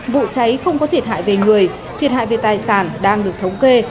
vụ cháy không có thiệt hại về người thiệt hại về tài sản đang được thống kê